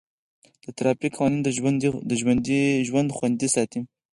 د ټرافیک قوانین د ژوند خوندي ساتي.